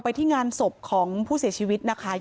ที่งานศพของผู้เสียชีวิตนะคะ